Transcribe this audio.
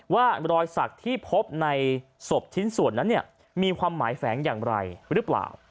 ว่ารอยสักที่พบในศพชิ้นส่วนนั้นมีความหมายแฝงอย่างไรหรือเปล่า